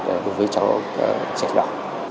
đối với cháu trẻ trẻ